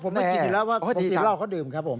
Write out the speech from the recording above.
ไม่เพราะว่าผมไม่กินเขาอาจจะดื่ม